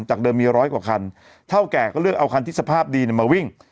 เดิมมีร้อยกว่าคันเท่าแก่ก็เลือกเอาคันที่สภาพดีมาวิ่ง